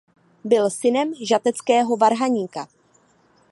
Byl synem žateckého varhaníka.